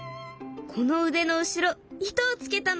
この腕の後ろ糸を付けたの。